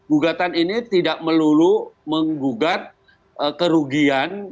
gugatan ini tidak melulu menggugat kerugian